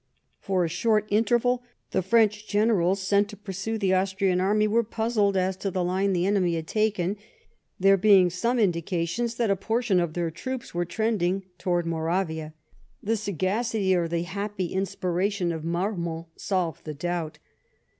For a short interval the French generals, sent to pursue the Austrian army, were puzzled as to the line the enemy had taken, there being some indications that a portion of their troops were trending towards Moravia. The sagacity or the happy inspiration of Marmont solved the doubt.